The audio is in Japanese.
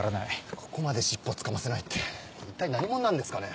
ここまで尻尾つかませないって一体何者なんですかね。